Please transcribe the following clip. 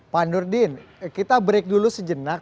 pak nurdin kita break dulu sejenak